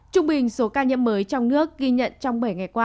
trung bình số ca nhiễm mới trong nước ghi nhận trong bảy ngày qua